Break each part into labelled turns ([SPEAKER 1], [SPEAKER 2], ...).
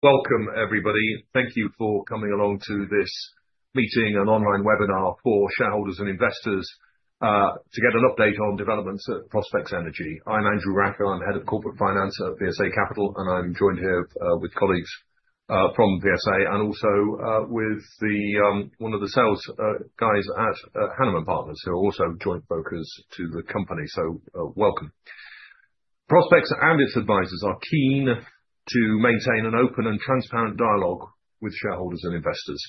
[SPEAKER 1] Welcome, everybody. Thank you for coming along to this meeting, an online webinar for shareholders and investors, to get an update on developments at Prospex Energy. I'm Andrew Raca. I'm Head of Corporate Finance at VSA Capital, and I'm joined here with colleagues from VSA and also with one of the sales guys at Hannam & Partners, who are also joint brokers to the company. So, welcome. Prospex and its advisors are keen to maintain an open and transparent dialogue with shareholders and investors.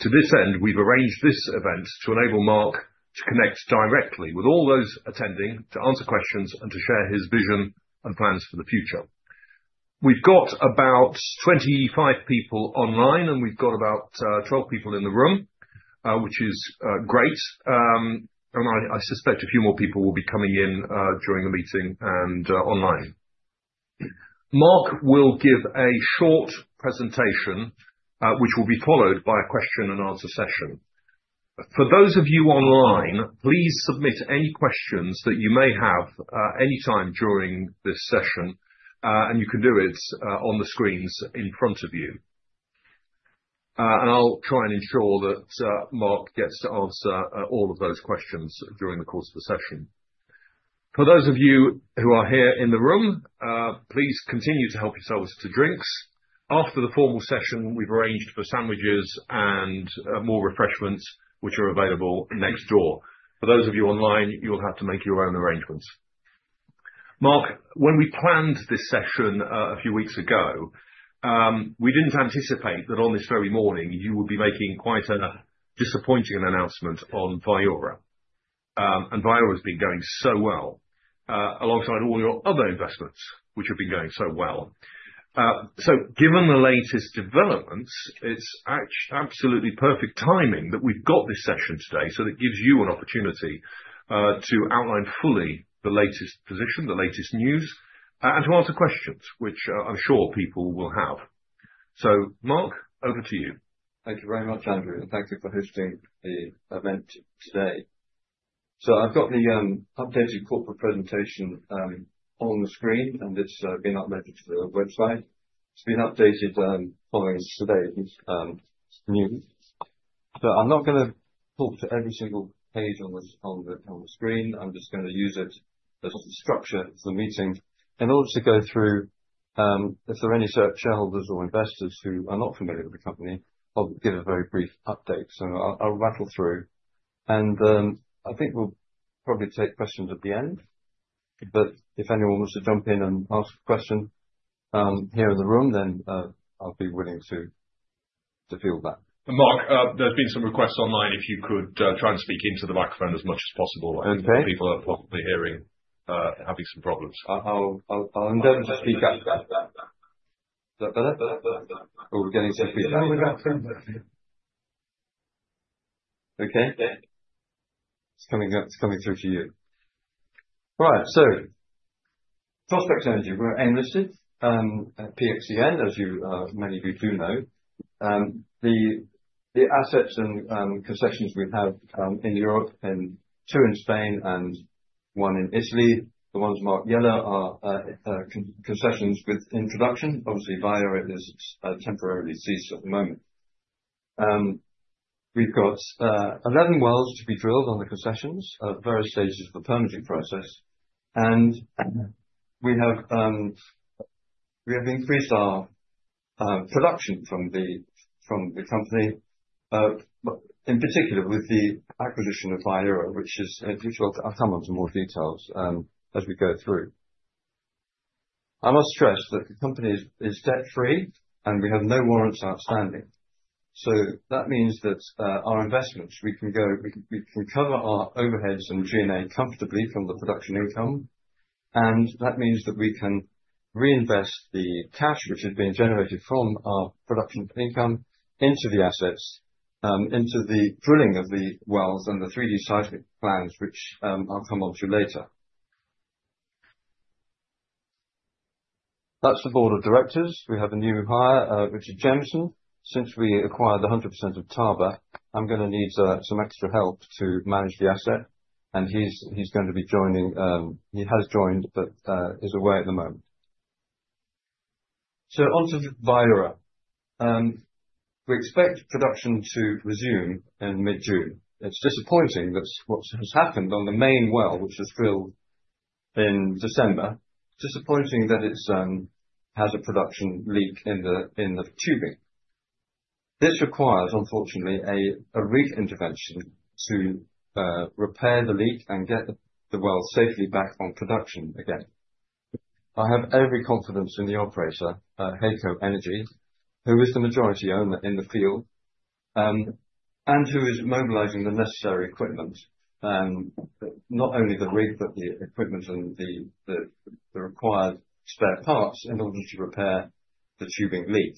[SPEAKER 1] To this end, we've arranged this event to enable Mark to connect directly with all those attending, to answer questions, and to share his vision and plans for the future. We've got about 25 people online, and we've got about 12 people in the room, which is great. I suspect a few more people will be coming in during the meeting and online. Mark will give a short presentation, which will be followed by a question-and-answer session. For those of you online, please submit any questions that you may have, anytime during this session, and you can do it, on the screens in front of you, and I'll try and ensure that Mark gets to answer all of those questions during the course of the session. For those of you who are here in the room, please continue to help yourselves to drinks. After the formal session, we've arranged for sandwiches and more refreshments, which are available next door. For those of you online, you'll have to make your own arrangements. Mark, when we planned this session, a few weeks ago, we didn't anticipate that on this very morning you would be making quite a disappointing announcement on Viura. And Viura's been going so well, alongside all your other investments, which have been going so well. So given the latest developments, it's absolutely perfect timing that we've got this session today. So that gives you an opportunity to outline fully the latest position, the latest news, and to answer questions, which I'm sure people will have. So, Mark, over to you.
[SPEAKER 2] Thank you very much, Andrew. And thank you for hosting the event today. So I've got the updated corporate presentation on the screen, and it's been uploaded to the website. It's been updated following today's news. So I'm not gonna talk to every single page on the screen. I'm just gonna use it as a structure for the meeting in order to go through, if there are any shareholders or investors who are not familiar with the company, I'll give a very brief update. So I'll rattle through. And I think we'll probably take questions at the end, but if anyone wants to jump in and ask a question here in the room, then I'll be willing to field that.
[SPEAKER 1] Mark, there's been some requests online if you could, try and speak into the microphone as much as possible. People are possibly hearing, having some problems.
[SPEAKER 2] I'll endeavor to speak up. Is that better? Or we're getting some feedback?
[SPEAKER 1] Okay. It's coming through to you.
[SPEAKER 2] All right. Prospex Energy, we're listed at PXEN, as many of you know. The assets and concessions we have in Europe, two in Spain and one in Italy, the ones marked yellow are concessions with production. Obviously, Viura is temporarily ceased at the moment. We've got 11 wells to be drilled on the concessions at various stages of the permitting process. We have increased our production from the company, in particular with the acquisition of Viura, which I'll come on to more details as we go through. I must stress that the company is debt-free, and we have no warrants outstanding. That means that our investments we can cover our overheads and G&A comfortably from the production income, and that means that we can reinvest the cash, which has been generated from our production income, into the assets, into the drilling of the wells and the 3D seismic plans, which I'll come on to later. That is the Board of Directors. We have a new hire, Richard Jameson. Since we acquired the 100% of Tarba, I'm gonna need some extra help to manage the asset. He is gonna be joining. He has joined, but is away at the moment. So onto Viura, we expect production to resume in mid-June. It is disappointing that what has happened on the main well, which was drilled in December. It has a production leak in the tubing. This requires, unfortunately, a rig intervention to repair the leak and get the well safely back on production again. I have every confidence in the operator, HEYCO Energy, who is the majority owner in the field, and who is mobilizing the necessary equipment, not only the rig, but the equipment and the required spare parts in order to repair the tubing leak.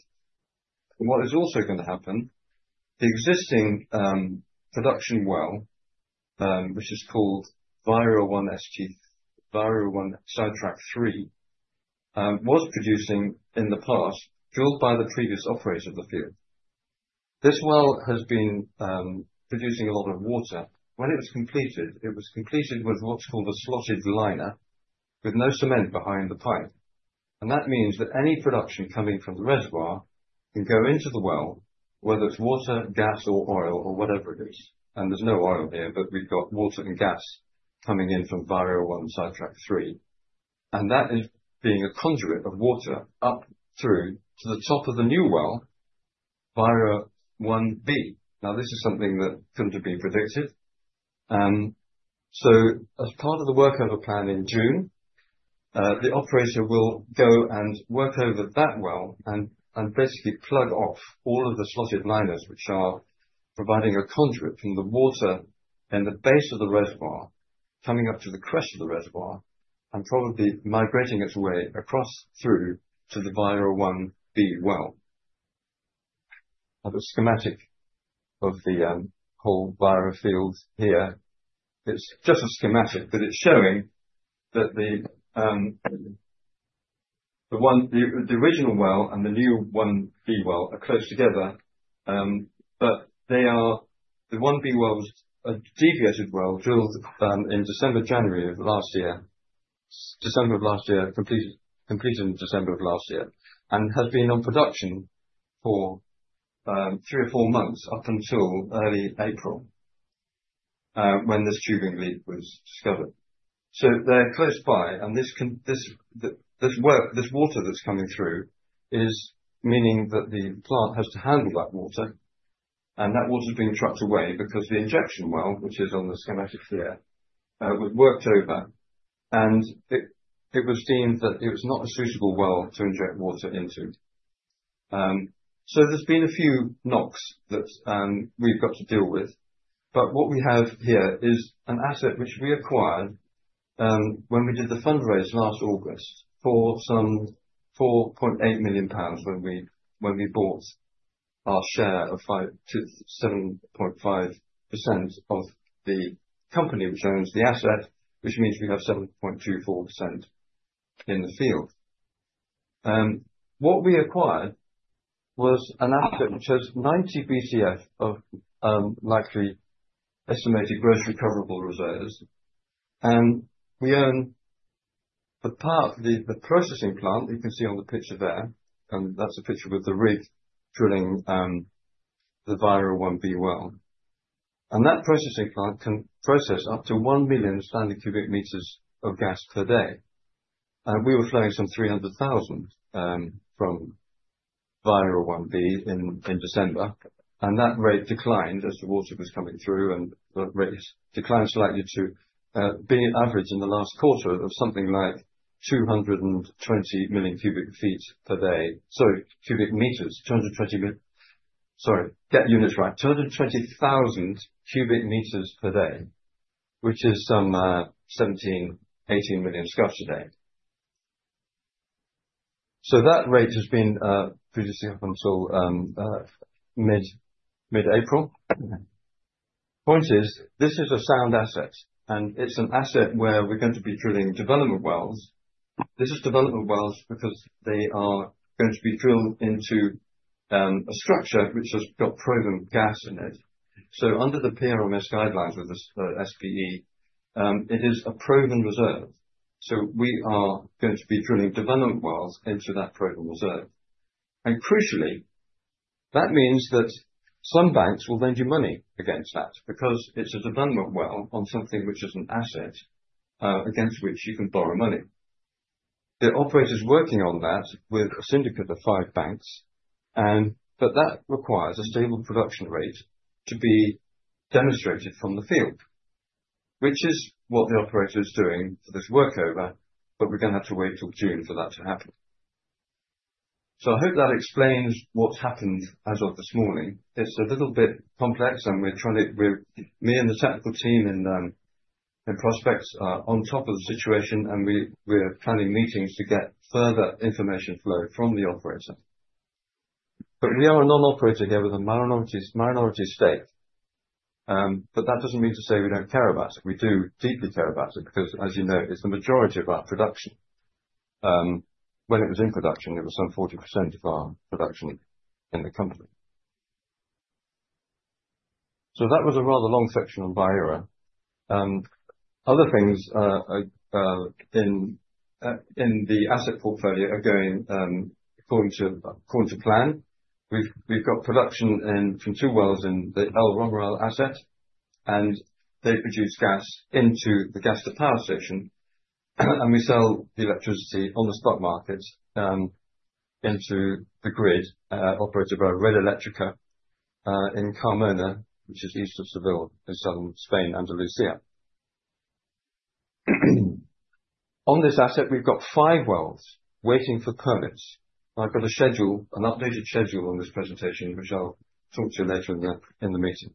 [SPEAKER 2] What is also gonna happen, the existing production well, which is called Viura-1 ST, Viura-1 Sidetrack 3, was producing in the past, drilled by the previous operator of the field. This well has been producing a lot of water. When it was completed, it was completed with what's called a slotted liner with no cement behind the pipe. That means that any production coming from the reservoir can go into the well, whether it's water, gas, or oil, or whatever it is. There's no oil here, but we've got water and gas coming in from Viura-1 Sidetrack 3. That is being a conduit of water up through to the top of the new well, Viura-1B. Now, this is something that couldn't have been predicted. So as part of the workover plan in June, the operator will go and work over that well and basically plug off all of the slotted liners, which are providing a conduit from the water in the base of the reservoir, coming up to the crest of the reservoir, and probably migrating its way across through to the Viura-1B well. I have a schematic of the whole Viura field here. It's just a schematic, but it's showing that the original well and the new 1B well are close together. But they are. The 1B well is a deviated well drilled in December, January of last year, completed in December of last year, and has been on production for three or four months up until early April, when this tubing leak was discovered. So they're close by, and this water that's coming through is meaning that the plant has to handle that water, and that water's being trucked away because the injection well, which is on the schematic here, was worked over, and it was deemed that it was not a suitable well to inject water into. So there's been a few knocks that we've got to deal with. What we have here is an asset which we acquired, when we did the fundraise last August for some 4.8 million pounds when we bought our share of 5%-7.5% of the company which owns the asset, which means we have 7.24% in the field. What we acquired was an asset which has 90 BCF of likely estimated gross recoverable reserves. We own the part, the processing plant that you can see on the picture there, and that's a picture with the rig drilling the Viura-1B well. That processing plant can process up to 1 million standard cubic meters of gas per day. We were flowing some 300,000 from Viura-1B in December, and that rate declined as the water was coming through, and the rate declined slightly to being averaged in the last quarter of something like 220 million cubic feet per day. So cubic meters, 220 million, sorry, get units right, 220,000 cubic meters per day, which is some 17, 18 million scf a day. So that rate has been producing up until mid-April. Point is, this is a sound asset, and it's an asset where we're going to be drilling development wells. This is development wells because they are going to be drilled into a structure which has got proven gas in it. So under the PRMS guidelines with the SPE, it is a proven reserve. So we are going to be drilling development wells into that proven reserve. Crucially, that means that some banks will lend you money against that because it's a development well on something which is an asset, against which you can borrow money. The operator's working on that with a syndicate of five banks, but that requires a stable production rate to be demonstrated from the field, which is what the operator's doing for this workover. We're gonna have to wait till June for that to happen. I hope that explains what's happened as of this morning. It's a little bit complex, and we're trying to, me and the technical team and Prospex are on top of the situation, and we are planning meetings to get further information flow from the operator. We are a non-operator here with a minority stake. That doesn't mean to say we don't care about it. We do deeply care about it because, as you know, it's the majority of our production. When it was in production, it was some 40% of our production in the company. So that was a rather long section on Viura. Other things in the asset portfolio are going according to plan. We've got production in from two wells in the El Romeral asset, and they produce gas into the gas-to-power station, and we sell the electricity on the stock market, into the grid, operated by Red Eléctrica, in Carmona, which is east of Seville in southern Spain, Andalusia. On this asset, we've got five wells waiting for permits. I've got a schedule, an updated schedule on this presentation, which I'll talk to you later in the meeting.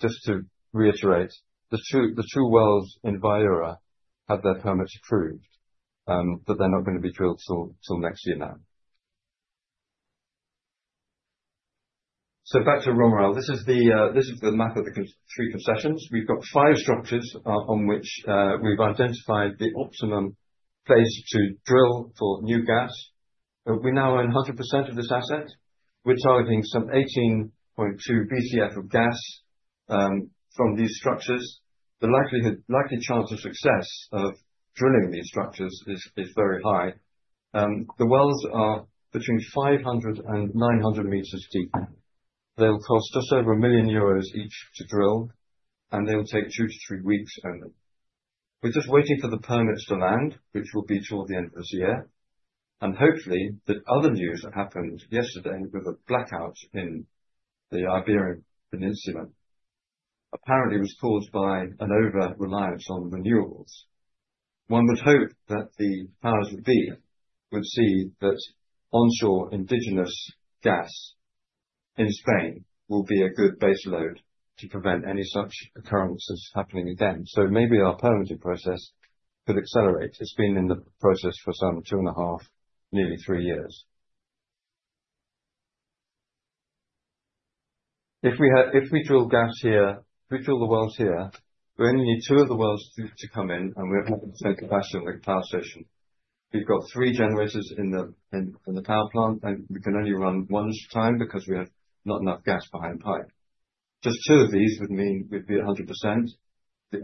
[SPEAKER 2] Just to reiterate, the two wells in Viura have their permits approved, but they're not gonna be drilled till next year now. So back to El Romeral. This is the map of the three concessions. We've got five structures, on which, we've identified the optimum place to drill for new gas. We now own 100% of this asset. We're targeting some 18.2 BCF of gas, from these structures. The likelihood, likely chance of success of drilling these structures is very high. The wells are between 500 and 900 meters deep. They'll cost just over 1 million euros each to drill, and they'll take two to three weeks only. We're just waiting for the permits to land, which will be toward the end of this year. And hopefully the other news that happened yesterday with a blackout in the Iberian Peninsula apparently was caused by an over-reliance on renewables. One would hope that the powers that be would see that onshore indigenous gas in Spain will be a good base load to prevent any such occurrences happening again. So maybe our permitting process could accelerate. It's been in the process for some two and a half, nearly three years. If we have, if we drill gas here, if we drill the wells here, we only need two of the wells to come in, and we're 100% capacity on the power station. We've got three generators in the power plant, and we can only run one at a time because we have not enough gas behind pipe. Just two of these would mean we'd be at 100%.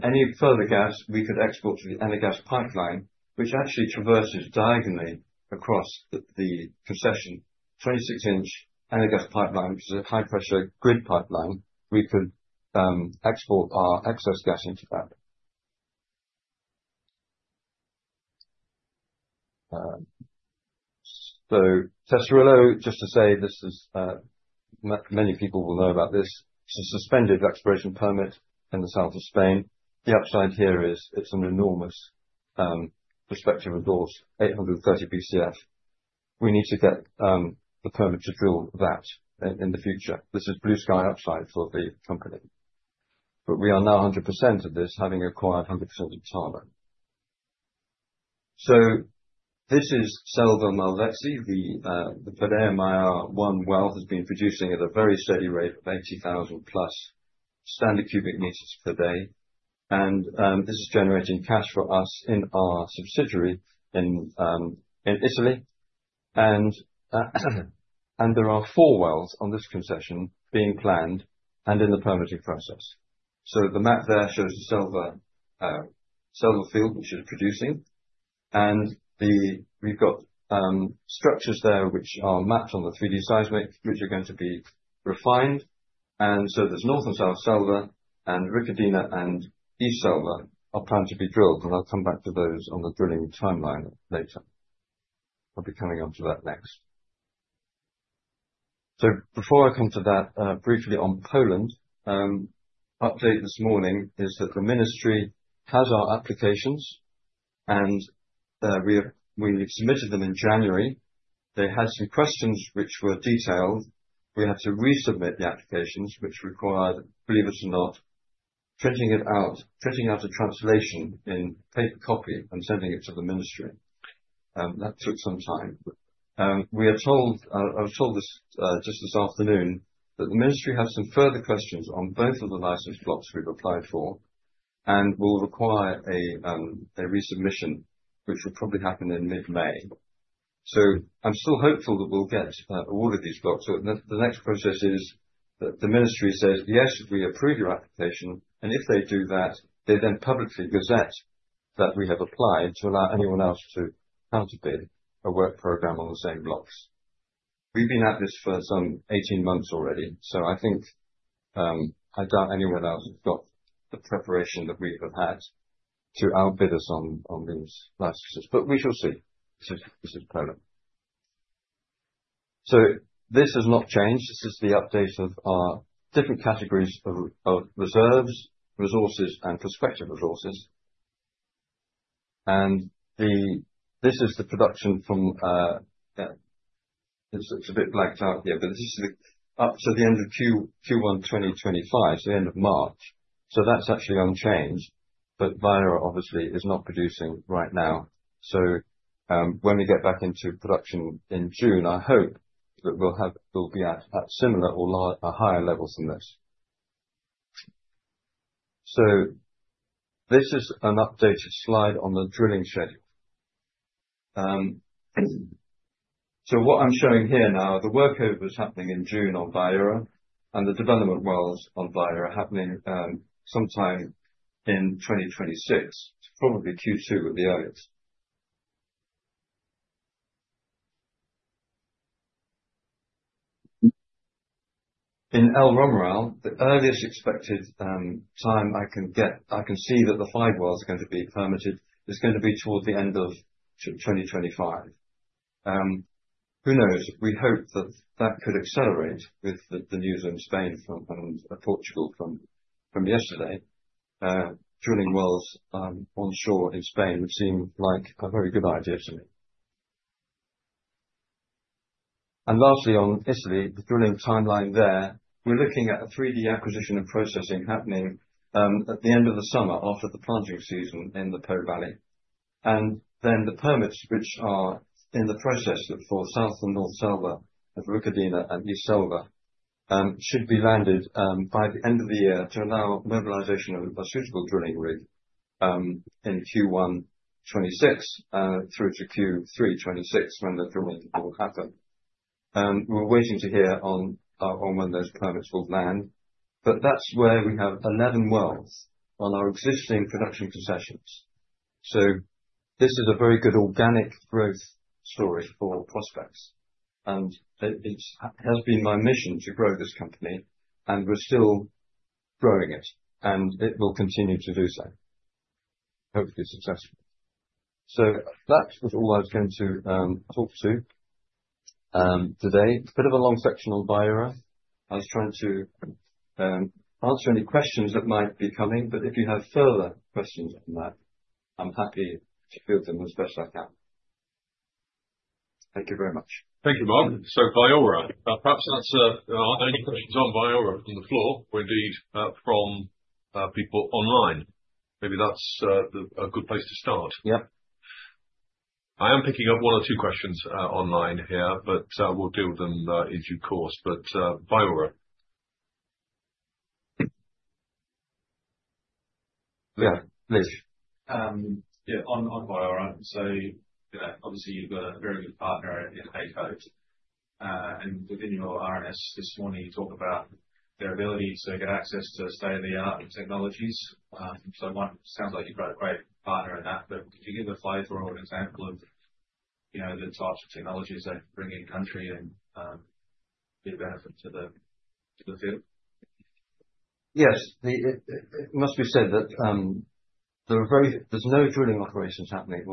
[SPEAKER 2] Any further gas we could export to the Enagás pipeline, which actually traverses diagonally across the concession, 26-inch Enagás pipeline, which is a high-pressure grid pipeline. We could export our excess gas into that. Tesorillo, just to say this is, many people will know about this. It's a suspended exploration permit in the south of Spain. The upside here is it's an enormous prospective resource, 830 BCF. We need to get the permit to drill that in the future. This is blue sky upside for the company. But we are now 100% of this, having acquired 100% of Tarba. This is Selva Malvezzi. The Podere Maiar-1 well has been producing at a very steady rate of 80,000+ standard cubic meters per day. And this is generating cash for us in our subsidiary in Italy. There are four wells on this concession being planned and in the permitting process. The map there shows the Selva field, which is producing. We've got structures there which are mapped on the 3D seismic, which are going to be refined. There's north and south Selva, and Riccardina and east Selva are planned to be drilled. I'll come back to those on the drilling timeline later. I'll be coming on to that next. Before I come to that, briefly on Poland. Update this morning is that the ministry has our applications, and we submitted them in January. They had some questions which were detailed. We had to resubmit the applications, which required, believe it or not, printing it out, a translation in paper copy and sending it to the ministry. That took some time. We are told, I was told this, just this afternoon that the ministry has some further questions on both of the license blocks we've applied for and will require a resubmission, which will probably happen in mid-May, so I'm still hopeful that we'll get awarded these blocks. The next process is that the ministry says, yes, we approve your application, and if they do that, they then publicly gazette that we have applied to allow anyone else to counter bid a work program on the same blocks. We've been at this for some 18 months already, so I think I doubt anyone else has got the preparation that we have had to outbid us on these licenses. But we shall see. This is Poland, so this has not changed. This is the update of our different categories of reserves, resources, and prospective resources. This is the production from. It's a bit blacked out here, but this is up to the end of Q1 2025, so the end of March. That's actually unchanged. But Viura obviously is not producing right now. When we get back into production in June, I hope that we'll have, we'll be at similar or a higher level than this. This is an updated slide on the drilling schedule. What I'm showing here now, the workover is happening in June on Viura and the development wells on Viura happening sometime in 2026. It's probably Q2 at the earliest. In El Romeral, the earliest expected time I can see that the five wells are going to be permitted is going to be toward the end of 2025. Who knows? We hope that could accelerate with the news in Spain and Portugal from yesterday. Drilling wells onshore in Spain would seem like a very good idea to me. Lastly, on Italy, the drilling timeline there, we're looking at a 3D acquisition and processing happening at the end of the summer after the planting season in the Po Valley. Then the permits, which are in the process for south and north Selva of Riccardina and east Selva, should be landed by the end of the year to allow mobilization of a suitable drilling rig in Q1 2026 through to Q3 2026 when the drilling will happen. We're waiting to hear on when those permits will land. That's where we have 11 wells on our existing production concessions. This is a very good organic growth story for Prospex. It has been my mission to grow this company, and we're still growing it, and it will continue to do so, hopefully successfully. That was all I was going to talk about today. It's a bit of a long section on Viura. I was trying to answer any questions that might be coming, but if you have further questions on that, I'm happy to field them as best I can. Thank you very much.
[SPEAKER 1] Thank you, Mark. So Viura. Perhaps that's a good place to start. Are there any questions on Viura from the floor or indeed from people online? Yep. I am picking up one or two questions online here, but we'll deal with them in due course. But Viura. Yeah, Please. Yeah, on Viura. So, you know, obviously you've got a very good partner in HEYCO, and within your RNS this morning, you talk about their ability to get access to state-of-the-art technologies. So it sounds like you've got a great partner in that. But could you give the flavor or an example of, you know, the types of technologies they can bring in country and be a benefit to the, to the field?
[SPEAKER 2] Yes. It must be said that there's no drilling operations happening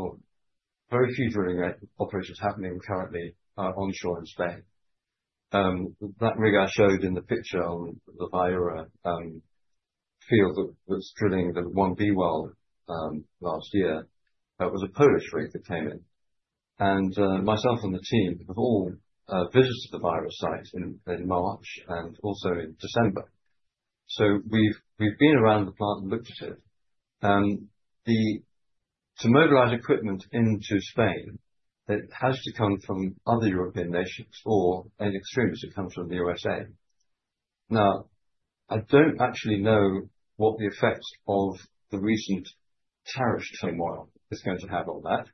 [SPEAKER 2] or very few drilling operations happening currently, onshore in Spain. That rig I showed in the picture on the Viura field that was drilling the 1B well last year, it was a Polish rig that came in. And myself and the team have all visited the Viura site in March and also in December. So we've been around the plant and looked at it. To mobilize equipment into Spain, it has to come from other European nations or, in extremes, it comes from the USA. Now, I don't actually know what the effect of the recent tariffs tomorrow is going to have on that.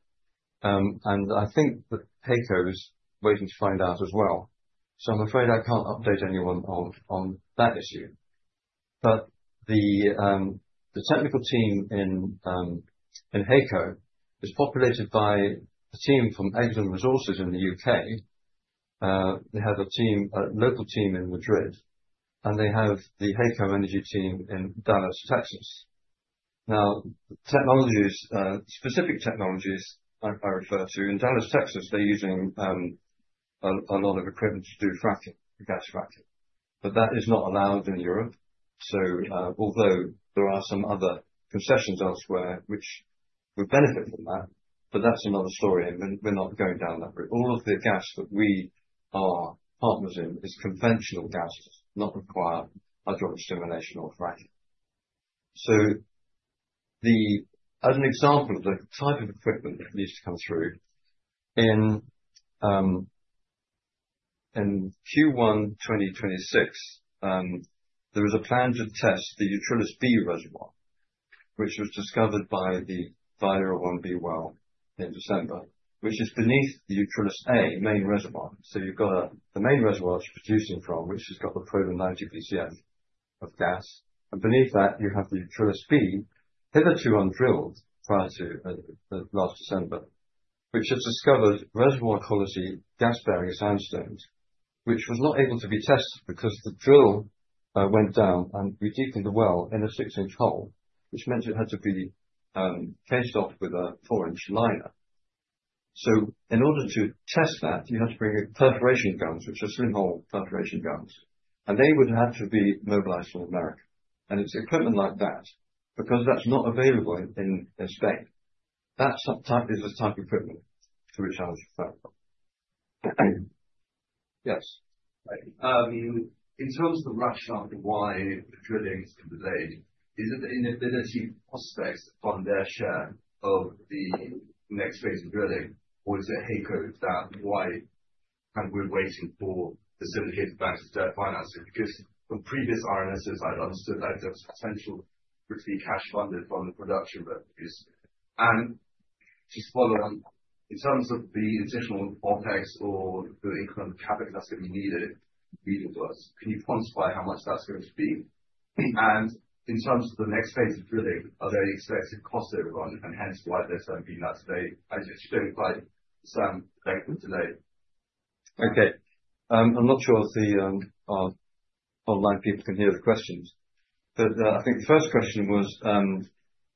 [SPEAKER 2] And I think that HEYCO is waiting to find out as well. So I'm afraid I can't update anyone on that issue. But the technical team in HEYCO is populated by a team from ExxonMobil in the U.K. They have a local team in Madrid, and they have the HEYCO Energy team in Dallas, Texas. Now, specific technologies I refer to in Dallas, Texas, they're using a lot of equipment to do fracking, gas fracking. But that is not allowed in Europe. Although there are some other concessions elsewhere which would benefit from that, but that's another story. We're not going down that route. All of the gas that we are partners in is conventional gas, not required hydrogen dissemination or fracking. As an example of the type of equipment that needs to come through in Q1 2026, there was a plan to test the Utrillas B reservoir, which was discovered by the Viura-1B well in December, which is beneath the Utrillas A main reservoir. You've got the main reservoir it's producing from, which has got the proven 90 BCF of gas. Beneath that, you have the Utrillas B, hitherto undrilled prior to last December, which has discovered reservoir quality gas-bearing sandstones, which was not able to be tested because the drill went down and we deepened the well in a six-inch hole, which meant it had to be cased off with a four-inch liner. So in order to test that, you had to bring perforation guns, which are slim hole perforation guns, and they would have had to be mobilized from America. And it's equipment like that, because that's not available in Spain. That type is the type of equipment to which I was referring from. Yes. In terms of the rationale for why the drilling has been delayed, is it the inability of Prospex to fund their share of the next phase of drilling, or is it HEYCO that, why kind of we're waiting for the syndicated banks to start financing? Because from previous RNSes, I'd understood that there was potential to be cash funded from the production revenues. And just to follow on, in terms of the additional OpEx or the incremental capital that's going to be needed, can you quantify how much that's going to be? And in terms of the next phase of drilling, are there any expected costs that are run and hence why there's been that delay? I just don't like some length of delay. Okay. I'm not sure if the, our online people can hear the questions. I think the first question was,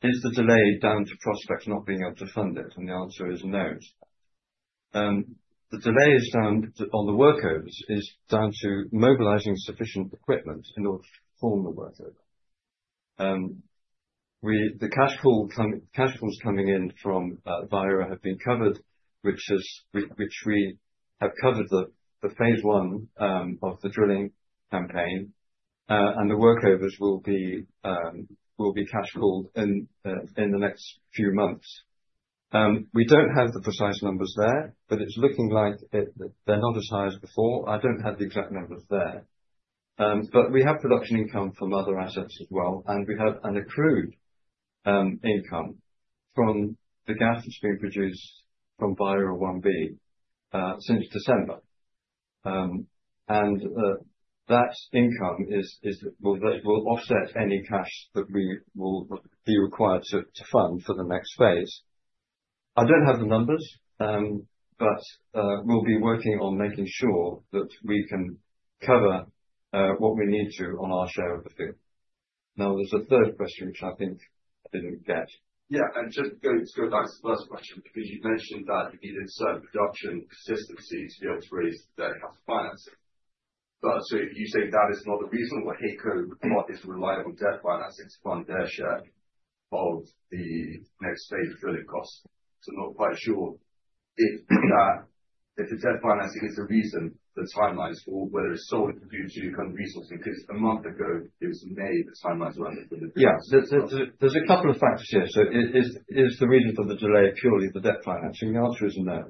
[SPEAKER 2] is the delay down to Prospex not being able to fund it? And the answer is no. The delay on the workovers is down to mobilizing sufficient equipment in order to perform the workover. The cash pools coming in from Viura have been covered, which we have covered the phase one of the drilling campaign. The workovers will be cash pooled in the next few months. We don't have the precise numbers there, but it's looking like they're not as high as before. I don't have the exact numbers there. We have production income from other assets as well. We have accrued income from the gas that's been produced from Viura-1B since December. That income will offset any cash that we will be required to fund for the next phase. I don't have the numbers, but we'll be working on making sure that we can cover what we need to on our share of the field. Now, there's a third question, which I think I didn't get. Yeah. Just going to go back to the first question, because you've mentioned that you needed certain production consistency to be able to raise debt capital financing. But so you say that is not a reason why HEYCO is relying on debt financing to fund their share of the next phase drilling costs. So I'm not quite sure if the debt financing is the reason, the timelines for whether it's solely due to kind of resourcing, because a month ago, it was May, the timelines were under the. Yeah, there's a couple of factors here. So is the reason for the delay purely the debt financing? The answer is no.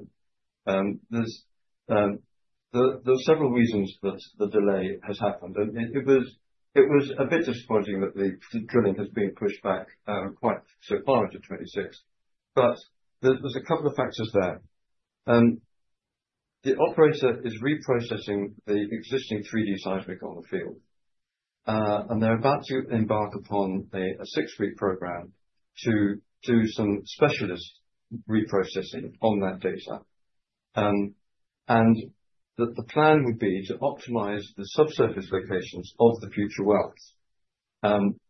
[SPEAKER 2] There are several reasons that the delay has happened, and it was a bit disappointing that the drilling has been pushed back quite so far into 2026. But there's a couple of factors there. The operator is reprocessing the existing 3D seismic on the field, and they're about to embark upon a six-week program to do some specialist reprocessing on that data. And the plan would be to optimize the subsurface locations of the future wells.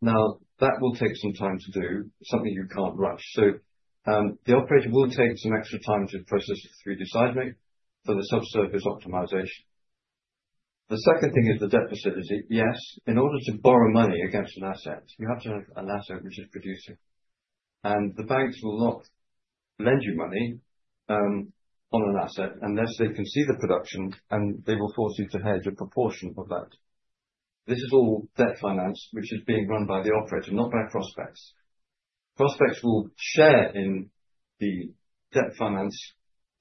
[SPEAKER 2] Now that will take some time to do, something you can't rush. The operator will take some extra time to process the 3D seismic for the subsurface optimization. The second thing is the deficit is, yes. In order to borrow money against an asset, you have to have an asset which is producing. The banks will not lend you money on an asset unless they can see the production, and they will force you to hedge a proportion of that. This is all debt financed, which is being run by the operator, not by Prospex. Prospex will share in the debt finance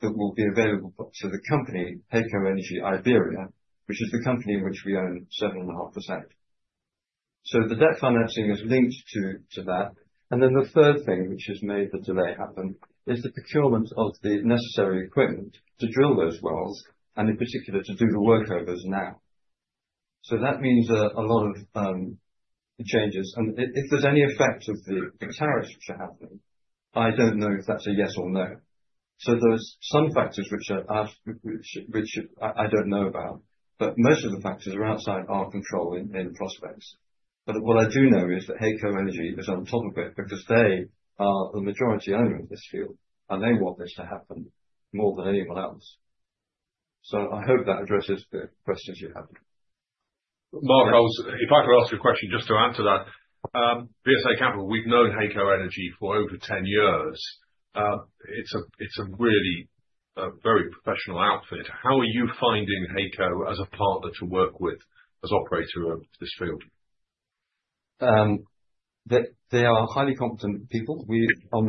[SPEAKER 2] that will be available to the company, HEYCO Energy Iberia, which is the company in which we own 7.5%. So the debt financing is linked to that. The third thing which has made the delay happen is the procurement of the necessary equipment to drill those wells and in particular to do the workovers now. So that means a lot of changes. If there's any effect of the tariffs which are happening, I don't know if that's a yes or no. There's some factors which I don't know about, but most of the factors are outside our control in Prospex. What I do know is that HEYCO Energy is on top of it because they are the majority owner in this field, and they want this to happen more than anyone else. I hope that addresses the questions you had.
[SPEAKER 1] Mark, if I could ask a question just to answer that, VSA Capital, we've known HEYCO Energy for over 10 years. It's a really very professional outfit. How are you finding HEYCO as a partner to work with as operator of this field?
[SPEAKER 2] They are highly competent people. We, on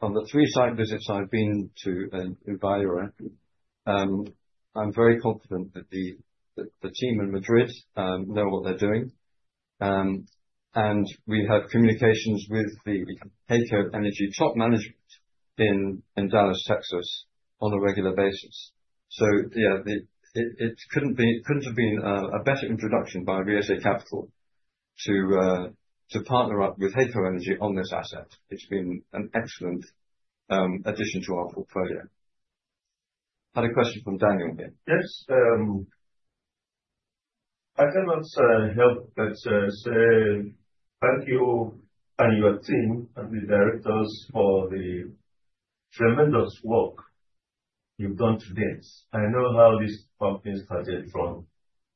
[SPEAKER 2] the three site visits I've been to in Viura, I'm very confident that the team in Madrid know what they're doing. We have communications with the HEYCO Energy top management in Dallas, Texas on a regular basis. So, yeah, it couldn't have been a better introduction by VSA Capital to partner up with HEYCO Energy on this asset. It's been an excellent addition to our portfolio.
[SPEAKER 1] Had a question from Daniel here. Yes. I cannot help but say thank you and your team and the directors for the tremendous work you've done to this. I know how this company started from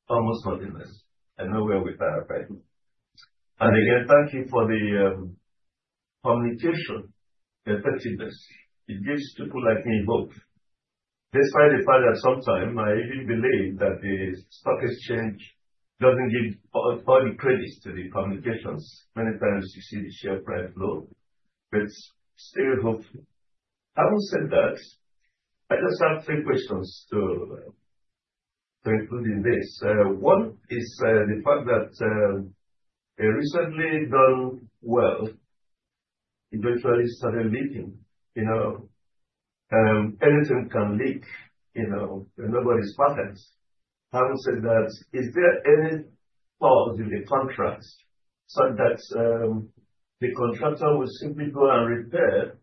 [SPEAKER 1] almost nothingness. I know where we are right now. Again, thank you for the communication effectiveness. It gives people like me hope. Despite the fact that sometimes I even believe that the stock exchange doesn't give all the credits to the publications, many times you see the share price low, but still hopeful. Having said that, I just have three questions to include in this. One is the fact that a recently done well eventually started leaking, you know, anything can leak, you know, nobody's perfect. Having said that, is there any part in the contract such that the contractor will simply go and repair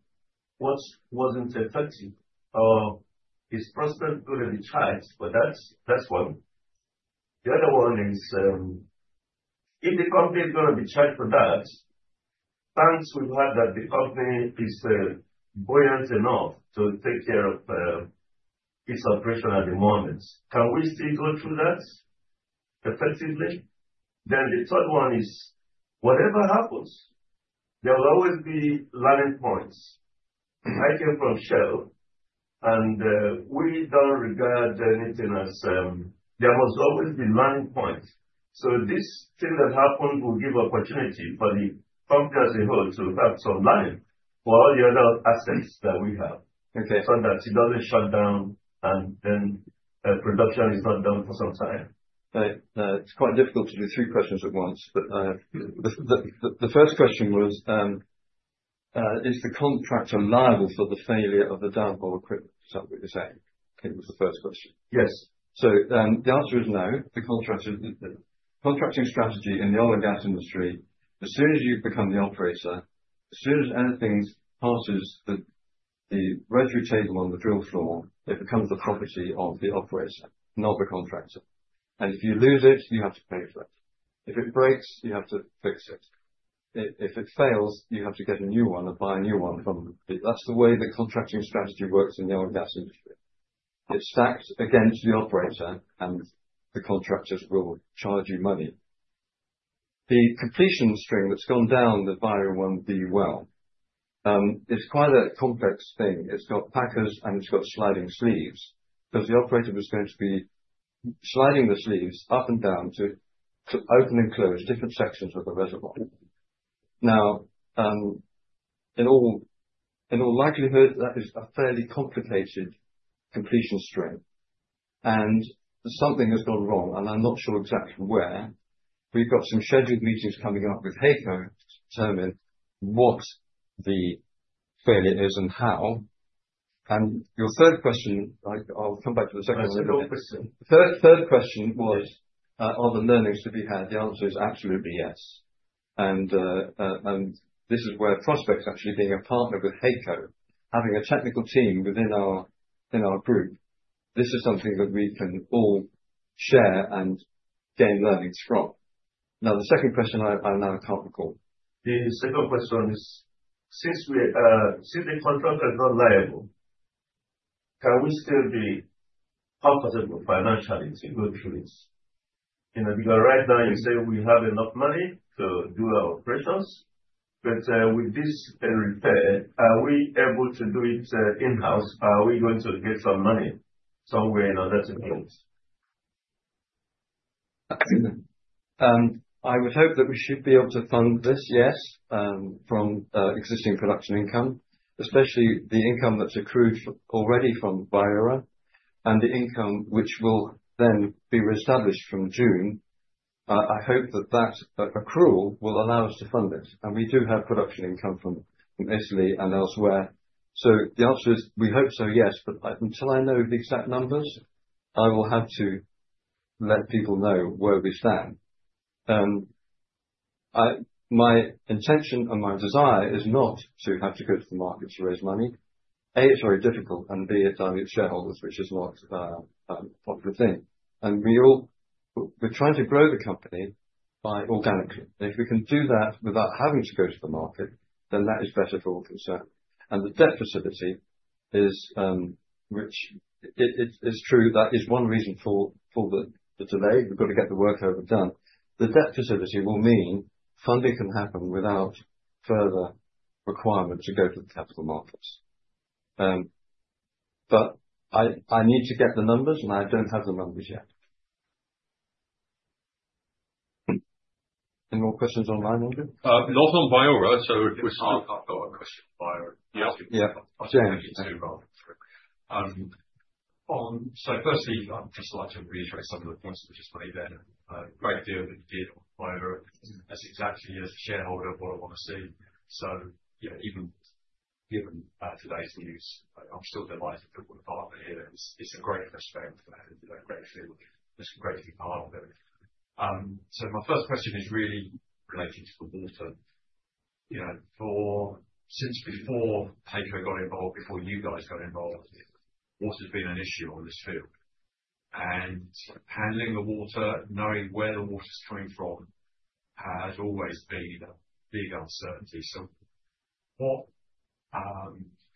[SPEAKER 1] what wasn't effective or is Prospex going to be charged for that? That's one. The other one is, if the company is going to be charged for that. Thanks, we've heard that the company is buoyant enough to take care of its operation at the moment. Can we still go through that effectively? Then the third one is, whatever happens, there will always be learning points. I came from Shell and we don't regard anything as there must always be learning points. So this thing that happened will give opportunity for the company as a whole to have some learning for all the other assets that we have.
[SPEAKER 2] Okay. So that it doesn't shut down and then production is not done for some time. It's quite difficult to do three questions at once, but the first question was, is the contractor liable for the failure of the downhole equipment? Is that what you're saying? I think it was the first question. Yes. So the answer is no. The contracting strategy in the oil and gas industry, as soon as you become the operator, as soon as anything passes the racking table on the drill floor, it becomes the property of the operator, not the contractor. And if you lose it, you have to pay for it. If it breaks, you have to fix it. If it fails, you have to get a new one and buy a new one from. That's the way the contracting strategy works in the oil and gas industry. It's stacked against the operator and the contractors will charge you money. The completion string that's gone down the Viura-1B well is quite a complex thing. It's got packers and it's got sliding sleeves because the operator was going to be sliding the sleeves up and down to open and close different sections of the reservoir. Now, in all, in all likelihood, that is a fairly complicated completion string. And something has gone wrong, and I'm not sure exactly where. We've got some scheduled meetings coming up with HEYCO to determine what the failure is and how. And your third question, I'll come back to the second one. Third question was, are the learnings to be had? The answer is absolutely yes. And, this is where Prospex actually being a partner with HEYCO, having a technical team within our group, this is something that we can all share and gain learnings from. Now, the second question, I now can't recall. The second question is, since the contractor is not liable, can we still be comfortable financially to go through this? You know, because right now you say we have enough money to do our operations, but with this repair, are we able to do it in-house? Are we going to get some money somewhere in other situations? I would hope that we should be able to fund this, yes, from existing production income, especially the income that's accrued already from Viura and the income which will then be reestablished from June. I hope that that accrual will allow us to fund it. And we do have production income from Italy and elsewhere. So the answer is we hope so, yes, but until I know the exact numbers, I will have to let people know where we stand. I, my intention and my desire is not to have to go to the market to raise money. A, it's very difficult, and B, it's our shareholders, which is not a popular thing. And we all, we're trying to grow the company by organically. If we can do that without having to go to the market, then that is better for all concerned. The debt facility is, which it is true that is one reason for the delay. We've got to get the workover done. The debt facility will mean funding can happen without further requirement to go to the capital markets. But I need to get the numbers and I don't have the numbers yet. Any more questions online, Andrew?
[SPEAKER 1] Not on Viura. If we're still talking about questions, Viura. Yeah, James. On, so firstly, I'd just like to reiterate some of the points that were just made. A great deal that you did on Viura as exactly as a shareholder, what I want to see. You know, even given today's news, I'm still delighted that we're part of it here. It's a great respect for having a great feeling. It's great to be part of it. So my first question is really relating to the water. You know, for, since before HEYCO got involved, before you guys got involved, water's been an issue on this field. And handling the water, knowing where the water's coming from has always been a big uncertainty. So what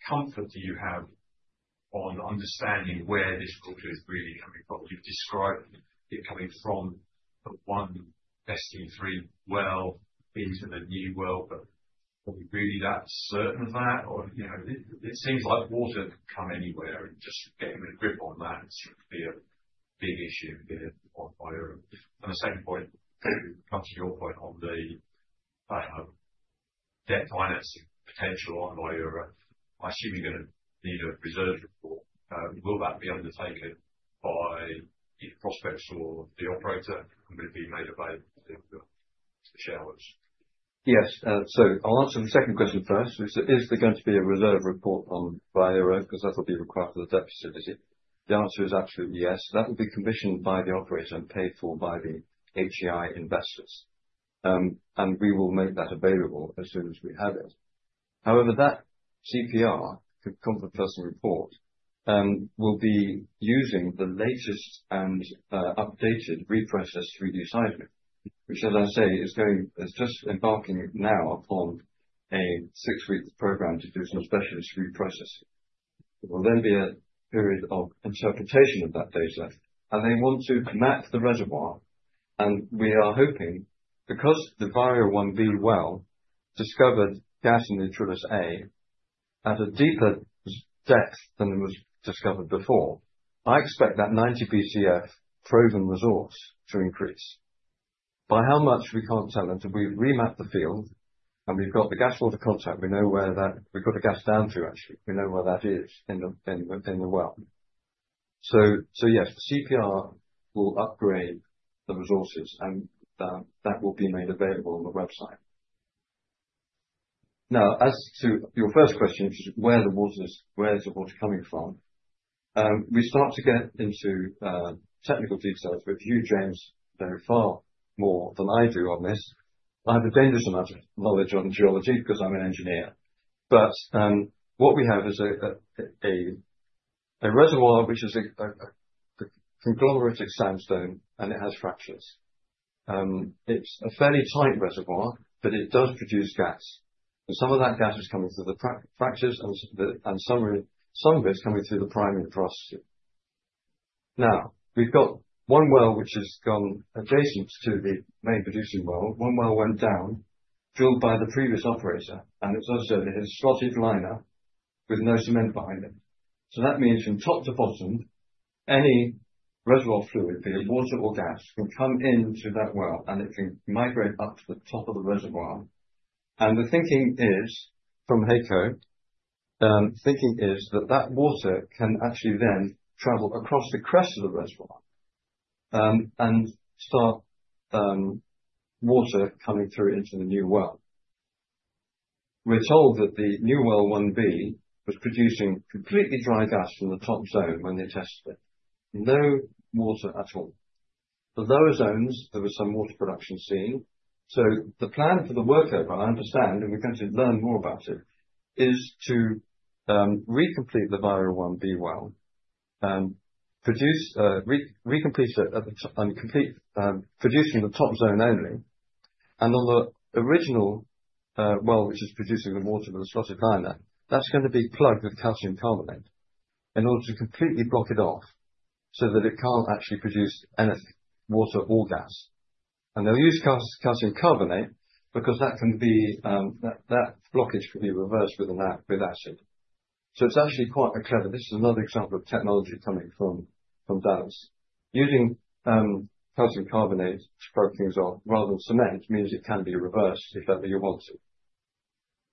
[SPEAKER 1] comfort do you have on understanding where this water is really coming from? You've described it coming from the one best-in-three well into the new well, but are we really that certain of that? Or, you know, it seems like water can come anywhere and just getting a grip on that should be a big issue here on Viura. And the second point, comes to your point on the, debt financing potential on Viura, I assume you're going to need a reserve report. Will that be undertaken by, you know, Prospex or the operator, and will it be made available to the shareholders?
[SPEAKER 2] Yes. So I'll answer the second question first. Is there going to be a reserve report on Viura? Because that'll be required for the deficit, is it? The answer is absolutely yes. That will be commissioned by the operator and paid for by the HEI investors. We will make that available as soon as we have it. However, that CPR, the Competent Person's report, will be using the latest and updated reprocessed 3D seismic, which, as I say, is just embarking now upon a six-week program to do some specialist reprocessing. There will then be a period of interpretation of that data, and they want to map the reservoir. We are hoping, because the Viura-1B well discovered gas in the Utrillas A at a deeper depth than it was discovered before, I expect that 90 BCF proven resource to increase. By how much? We can't tell until we've remapped the field and we've got the gas water contact. We know where that is. We've got the gas down through, actually. We know where that is in the well. So yes, the CPR will upgrade the resources and that will be made available on the website. Now, as to your first question, which is where the water is, where's the water coming from? We start to get into technical details, which you, James, know far more than I do on this. I have a dangerous amount of knowledge on geology because I'm an engineer. What we have is a reservoir which is a conglomerate and sandstone and it has fractures. It's a fairly tight reservoir, but it does produce gas, and some of that gas is coming through the fractures, and some of it's coming through the primary porosity. Now, we've got one well which has gone adjacent to the main producing well. One well went down, drilled by the previous operator, and it's also a slotted liner with no cement behind it, so that means from top to bottom, any reservoir fluid, be it water or gas, can come into that well and it can migrate up to the top of the reservoir. The thinking is, from HEYCO, that that water can actually then travel across the crest of the reservoir, and start water coming through into the new well. We're told that the new well 1B was producing completely dry gas from the top zone when they tested it. No water at all. The lower zones, there was some water production seen. The plan for the workover, I understand, and we're going to learn more about it, is to recomplete the Viura-1B well, produce it, complete producing the top zone only. On the original well which is producing the water with a slotted liner, that's going to be plugged with calcium carbonate in order to completely block it off so that it can't actually produce any water or gas. They'll use calcium carbonate because that can be, that blockage can be reversed with an acid. So it's actually quite a clever. This is another example of technology coming from Dallas. Using calcium carbonate to break things off rather than cement means it can be reversed if ever you want to.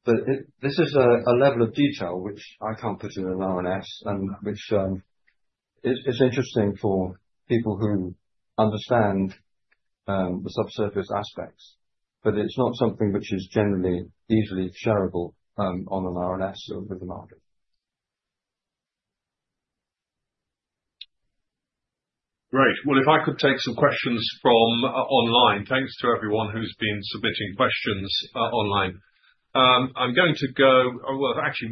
[SPEAKER 2] But this is a level of detail which I can't put in an RNS and which it's interesting for people who understand the subsurface aspects, but it's not something which is generally easily shareable on an RNS or with the market.
[SPEAKER 1] Great. Well, if I could take some questions from online, thanks to everyone who's been submitting questions online. Actually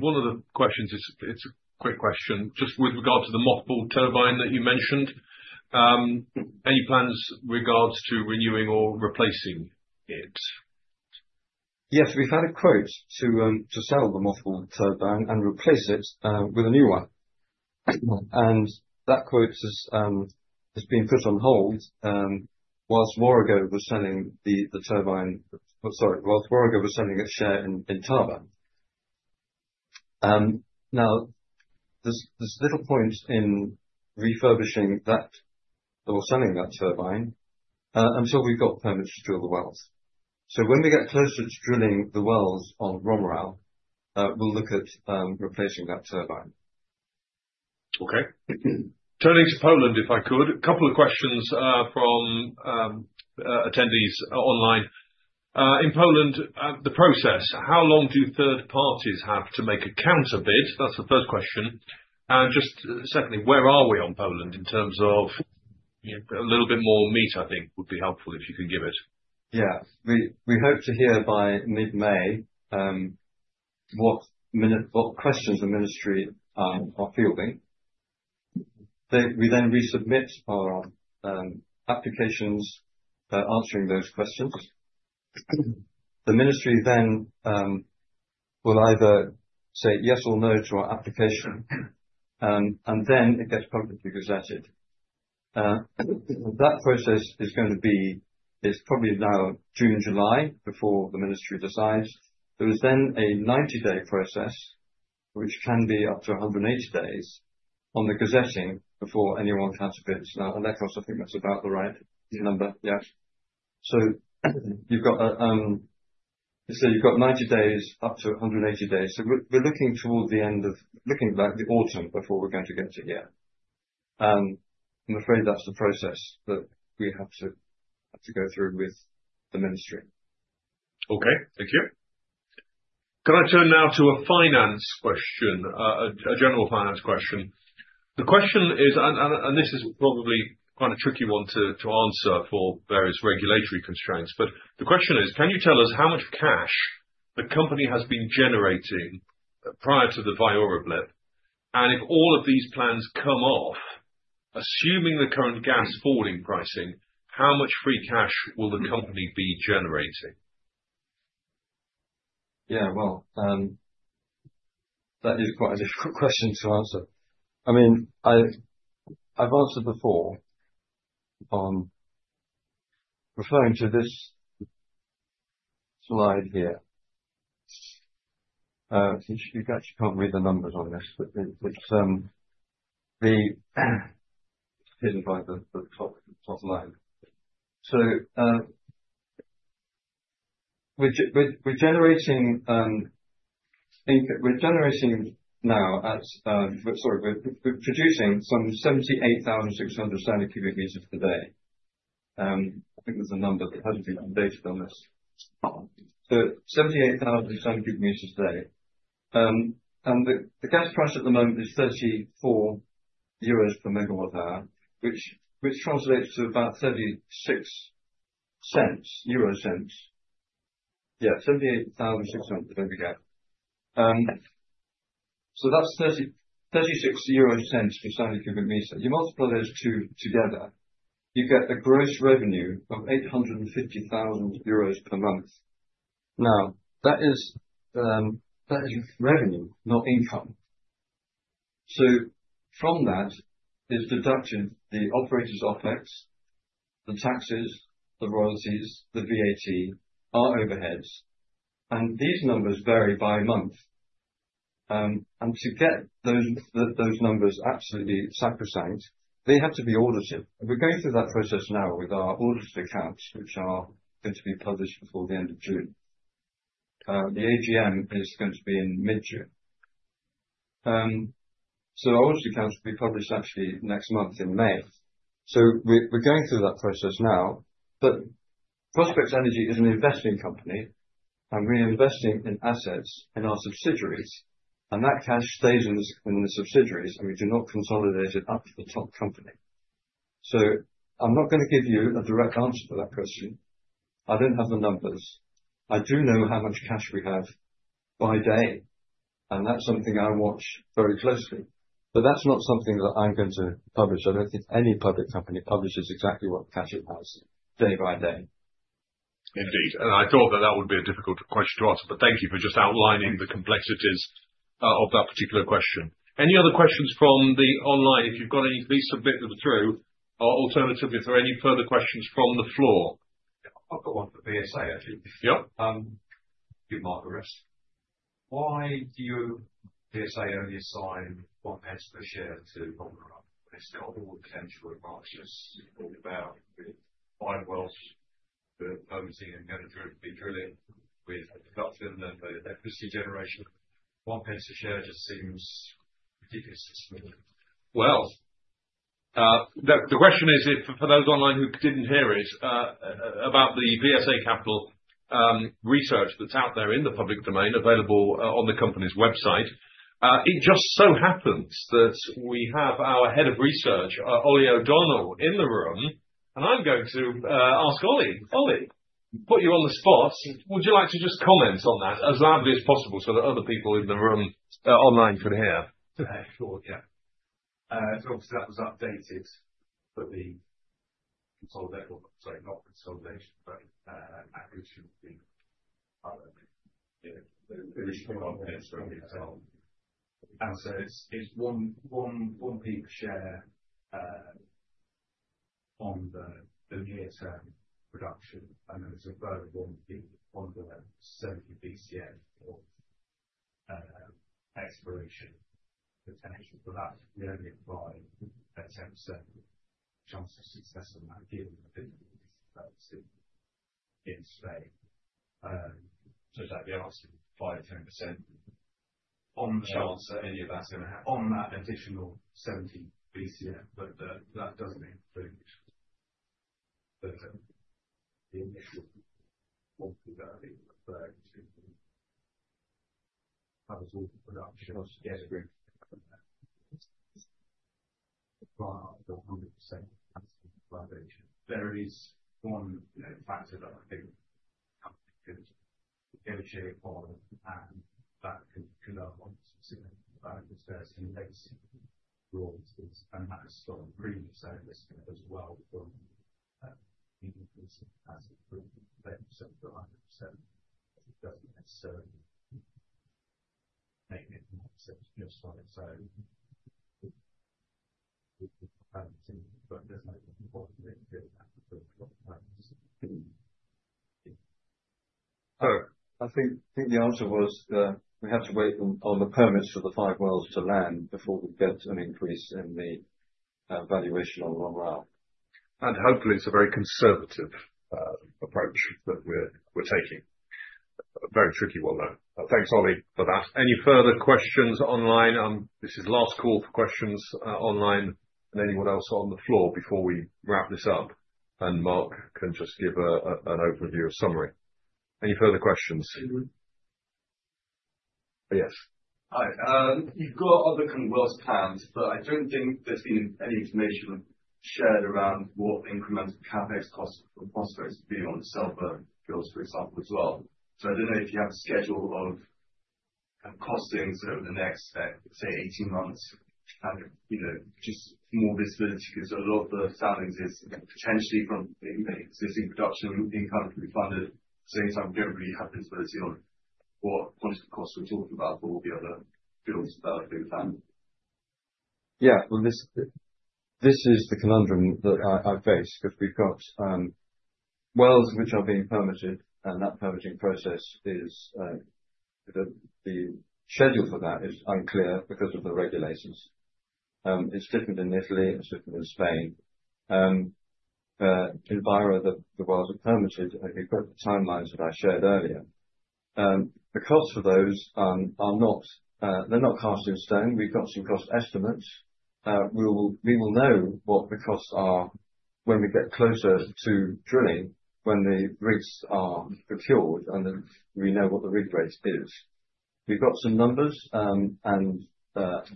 [SPEAKER 1] one of the questions is. It's a quick question just with regard to the mothballed turbine that you mentioned. Any plans regards to renewing or replacing it?
[SPEAKER 2] Yes, we've had a quote to sell the mothballed turbine and replace it with a new one. And that quote has been put on hold while Warrego was selling the turbine, sorry, while Wells Fargo was selling its share in turbine. Now there's little point in refurbishing that or selling that turbine until we've got permits to drill the wells. So when we get closer to drilling the wells on El Romeral, we'll look at replacing that turbine.
[SPEAKER 1] Okay. Turning to Poland, if I could, a couple of questions from attendees online. In Poland, the process, how long do third parties have to make a counter bid? That's the first question. And just secondly, where are we on Poland in terms of, you know, a little bit more meat, I think would be helpful if you can give it.
[SPEAKER 2] Yeah, we hope to hear by mid-May what questions the ministry are fielding. We then resubmit our applications, answering those questions. The ministry then will either say yes or no to our application, and then it gets publicly gazetted. That process is probably now June, July before the ministry decides. There is then a 90-day process, which can be up to 180 days on the gazetting before anyone counter bids. Now, and that cost, I think that's about the right number, yeah. So you've got 90 days up to 180 days. So we're looking toward the end of, looking like the autumn before we're going to get to here. I'm afraid that's the process that we have to go through with the ministry.
[SPEAKER 1] Okay, thank you. Can I turn now to a finance question, a general finance question? The question is, and this is probably quite a tricky one to answer for various regulatory constraints, but the question is, can you tell us how much cash the company has been generating prior to the Viura blip? And if all of these plans come off, assuming the current gas falling pricing, how much free cash will the company be generating?
[SPEAKER 2] Yeah, well, that is quite a difficult question to answer. I mean, I've answered before on referring to this slide here. You actually can't read the numbers on this, but it's the top line. So, we're producing some 78,600 standard cubic meters per day. I think there's a number that hasn't been updated on this. So 78,000 standard cubic meters a day. And the gas price at the moment is 34 euros per megawatt hour, which translates to about 0.36. Yeah, 78,600, there we go. So that's 0.30 euro, 0.36 per standard cubic meter. You multiply those two together, you get a gross revenue of 850,000 euros per month. Now, that is revenue, not income. So from that is deducted the operator's fees, the taxes, the royalties, the VAT, our overheads, and these numbers vary by month. And to get those numbers absolutely sacrosanct, they have to be audited. And we're going through that process now with our audited accounts, which are going to be published before the end of June. The AGM is going to be in mid-June. So our audited accounts will be published actually next month in May. So we're going through that process now, but Prospex Energy is an investing company and we're investing in assets in our subsidiaries, and that cash stays in the subsidiaries and we do not consolidate it up to the top company. So I'm not going to give you a direct answer to that question. I don't have the numbers. I do know how much cash we have by day, and that's something I watch very closely, but that's not something that I'm going to publish. I don't think any public company publishes exactly what cash it has day by day.
[SPEAKER 1] Indeed. And I thought that that would be a difficult question to answer, but thank you for just outlining the complexities of that particular question. Any other questions from the online? If you've got any, please submit them through, or alternatively, if there are any further questions from the floor. I've got one for VSA, actually. VSA. Why do you VSA only assign one pence per share to Romeral when it's got all the potential advantages? You've talked about five wells for Romeral and going through to be drilling with production and the electricity generation. One pence a share just seems ridiculous to me.
[SPEAKER 2] Well, the question is, for those online who didn't hear it, about the VSA Capital research that's out there in the public domain, available on the company's website. It just so happens that we have our Head of Research, Oliver O'Donnell, in the room, and I'm going to ask Ollie. Ollie, put you on the spot. Would you like to just comment on that as loudly as possible so that other people in the room, online could hear?
[SPEAKER 3] Yeah, sure, yeah. Obviously that was updated, but the consolidation, sorry, not consolidation, but average should be higher. Yeah, it was put on there so we can tell. And so it's one, one, one piece per share on the near-term production, and then it's a further one piece on the 70 BCF exploration potential, but that's really by a 10% chance of success in that given the business that it's in Spain. So that'd be asking 5-10% on the chance that any of that's going to happen on that additional 70 BCF, but that doesn't include the initial quantity that it would have to have a total production. Yes, agreed. Right after 100%. There is one, you know, factor that I think the company could negotiate on, and that could have obviously some benefits there to the legacy rules and have a strong premium sale as well from, meaningful as a premium benefit of 100%. It doesn't necessarily make it 100% just by itself. But there's no point in doing that.
[SPEAKER 2] So I think the answer was that we have to wait on the permits for the five wells to land before we get an increase in the valuation on Romeral. And hopefully it's a very conservative approach that we're taking. A very tricky one there. Thanks, Ollie, for that.
[SPEAKER 1] Any further questions online? This is last call for questions online, and anyone else on the floor before we wrap this up and Mark can just give a an overview of summary? Any further questions? Yes. Hi, you've got other kind of wells planned, but I don't think there's been any information shared around what the incremental CapEx cost for Prospex would be on the Selva Malvezzi fields, for example, as well. So I don't know if you have a schedule of costing over the next, say, 18 months and, you know, just more visibility because a lot of the funding is potentially from existing production income to be funded. At the same time, we don't really have visibility on what quantum costs we're talking about for all the other fields development plan.
[SPEAKER 2] Yeah, well, this is the conundrum that I face because we've got wells which are being permitted and that permitting process is, the schedule for that is unclear because of the regulators. It's different in Italy, it's different in Spain. In Viura, the wells are permitted, and you've got the timelines that I shared earlier. The costs for those are not. They're not cast in stone. We've got some cost estimates. We will know what the costs are when we get closer to drilling, when the rigs are procured, and then we know what the rig rate is. We've got some numbers, and the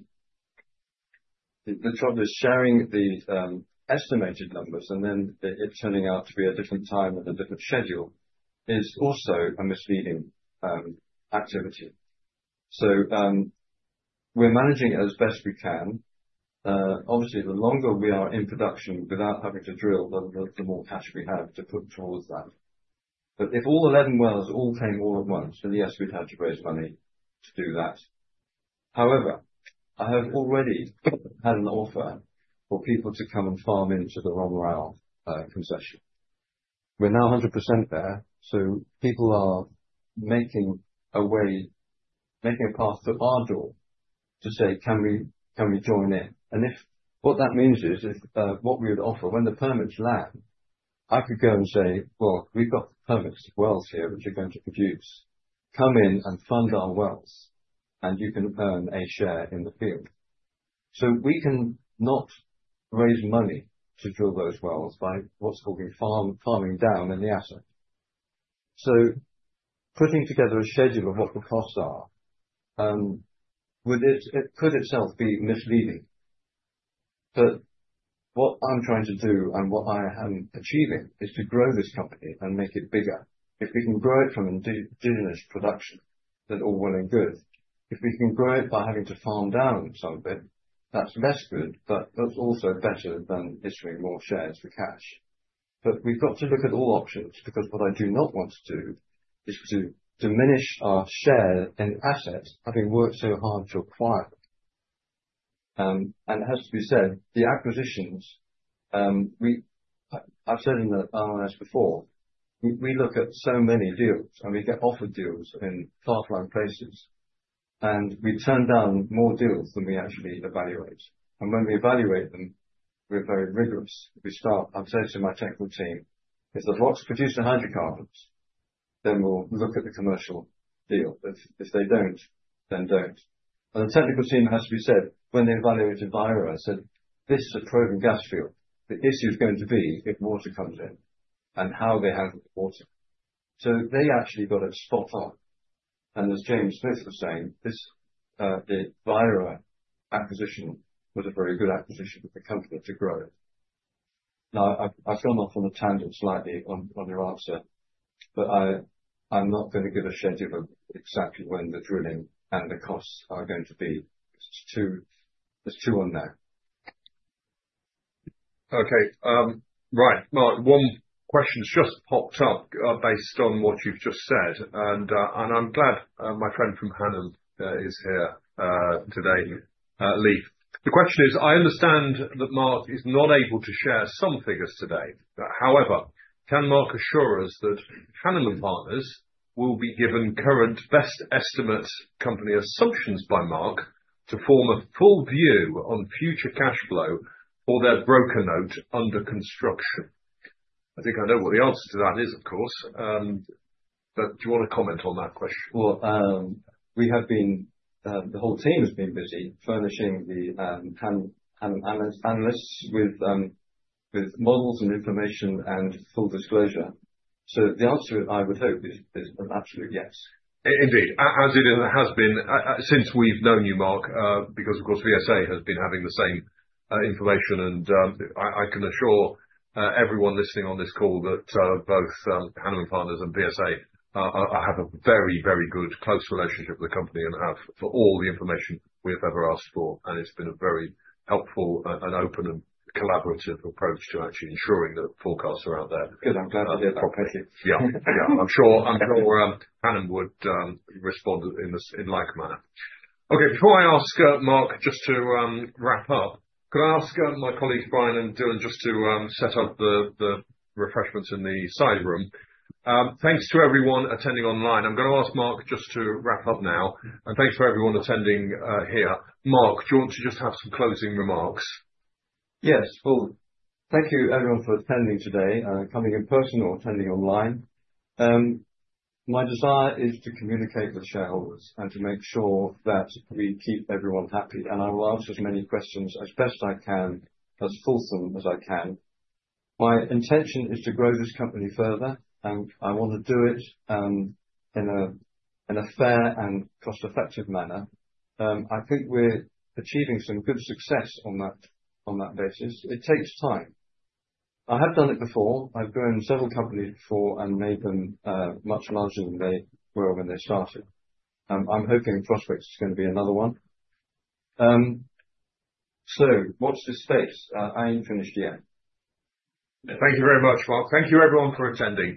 [SPEAKER 2] trouble is sharing the estimated numbers and then it turning out to be a different time and a different schedule is also a misleading activity. So, we're managing it as best we can. Obviously the longer we are in production without having to drill, the more cash we have to put towards that. But if all 11 wells came at once, then yes, we'd have to raise money to do that. However, I have already had an offer for people to come and farm into the El Romeral concession. We're now 100% there, so people are making a way, making a path to our door to say, can we, can we join in? And if what that means is if, what we would offer when the permits land, I could go and say, well, we've got permits of wells here which are going to produce, come in and fund our wells, and you can earn a share in the field. So we can not raise money to drill those wells by what's called farming down in the asset. So putting together a schedule of what the costs are, would it, it could itself be misleading. But what I'm trying to do and what I am achieving is to grow this company and make it bigger. If we can grow it from indigenous production, that's all well and good. If we can grow it by having to farm down some of it, that's less good, but that's also better than issuing more shares for cash, but we've got to look at all options because what I do not want to do is to diminish our share in assets having worked so hard to acquire, and it has to be said, the acquisitions, we, I've said in the RNS before, we, we look at so many deals and we get offered deals in far-flung places, and we turn down more deals than we actually evaluate, and when we evaluate them, we're very rigorous. We start, I've said to my technical team, if the blocks produce the hydrocarbons, then we'll look at the commercial deal. If, if they don't, then don't. The technical team has to be said when they evaluated Viura, I said, this is a proven gas field. The issue is going to be if water comes in and how they handle the water. So they actually got it spot on. And as James Smith was saying, this, the Viura acquisition was a very good acquisition for the company to grow it. Now, I've gone off on a tangent slightly on your answer, but I'm not going to give a schedule of exactly when the drilling and the costs are going to be because it's too unknown.
[SPEAKER 1] Okay, right, Mark, one question has just popped up, based on what you've just said, and I'm glad my friend from Hannam is here today, Lee. The question is, I understand that Mark is not able to share some figures today. However, can Mark assure us that Hannam & Partners will be given current best estimates company assumptions by Mark to form a full view on future cash flow for their broker note under construction? I think I know what the answer to that is, of course, but do you want to comment on that question?
[SPEAKER 2] Well, we have been, the whole team has been busy furnishing the Hannam analysts with models and information and full disclosure. So the answer I would hope is an absolute yes.
[SPEAKER 1] Indeed, as it has been since we've known you, Mark, because of course VSA has been having the same information and I can assure everyone listening on this call that both Hannam & Partners and VSA have a very, very good close relationship with the company and have for all the information we have ever asked for. It's been a very helpful, an open and collaborative approach to actually ensuring that forecasts are out there.
[SPEAKER 2] Good, I'm glad to hear that, Pete.
[SPEAKER 1] Yeah, yeah, I'm sure, I'm sure, Hannam would respond in this, in like manner. Okay, before I ask, Mark, just to wrap up, could I ask my colleagues Brian and Dylan just to set up the refreshments in the side room? Thanks to everyone attending online. I'm going to ask Mark just to wrap up now, and thanks for everyone attending here. Mark, do you want to just have some closing remarks?
[SPEAKER 2] Yes, well, thank you everyone for attending today, coming in person or attending online. My desire is to communicate with shareholders and to make sure that we keep everyone happy, and I will answer as many questions as best I can, as fulsome as I can. My intention is to grow this company further, and I want to do it in a fair and cost-effective manner. I think we're achieving some good success on that basis. It takes time. I have done it before. I've grown several companies before and made them much larger than they were when they started. I'm hoping Prospex is going to be another one. So watch this space. I ain't finished yet.
[SPEAKER 1] Thank you very much, Mark. Thank you everyone for attending.